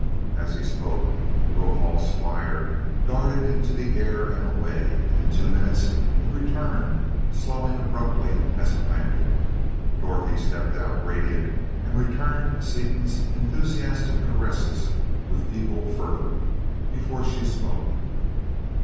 As he spoke, Rovol's flier darted into the air and away; and in two minutes it returned, slowing abruptly as it landed. Dorothy stepped out, radiant, and returned Seaton's enthusiastic caresses with equal fervor before she spoke.